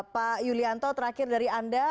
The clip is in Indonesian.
pak yulianto terakhir dari anda